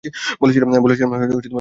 বলেছিলাম না, শর্টকার্ট রাস্তায় যাচ্ছি?